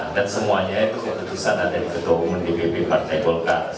dan semuanya keputusan dari ketua umum dpp partai